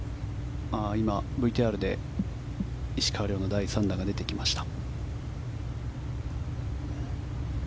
今、ＶＴＲで石川遼の第３打が出てきました。